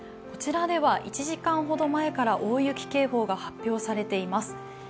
こちらでは１時間ほど前から大雪警報が発表されています。